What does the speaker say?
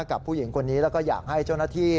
กับผู้หญิงคนนี้แล้วก็อยากให้เจ้าหน้าที่